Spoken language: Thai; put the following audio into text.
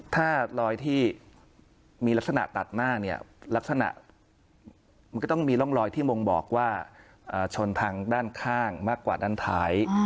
ถ้ารอยที่มีลักษณะตัดหน้าเนี่ยลักษณะมันก็ต้องมีร่องรอยที่บ่งบอกว่าชนทางด้านข้างมากกว่าด้านท้าย